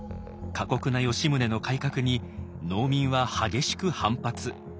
過酷な吉宗の改革に農民は激しく反発。